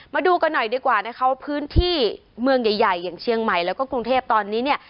มาดูกันหน่อยดีกว่านะคะว่าพื้นที่เมืองใหญ่อย่างเชียงใหม่แล้วก็กรุงเทพตอนนี้เนี่ย